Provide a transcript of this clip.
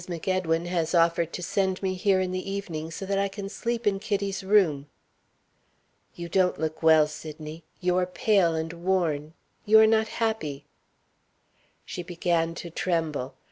MacEdwin has offered to send me here in the evening, so that I can sleep in Kitty's room." "You don't look well, Sydney. You are pale and worn you are not happy." She began to tremble.